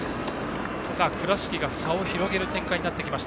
倉敷が差を広げる展開です。